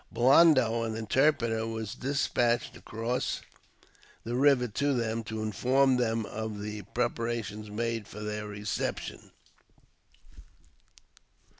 Blondo, an interpreter, was despatched across the river to them, to inform them of the preparations made for JAMES P. BECKWOUBTH. 33 their reception.